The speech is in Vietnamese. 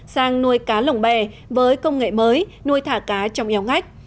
sang nuôi cá lồng bè với công nghệ mới nuôi thả cá trong eo ngách